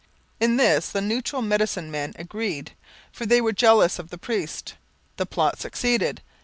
In this the Neutral medicine men agreed, for they were jealous of the priest. The plot succeeded.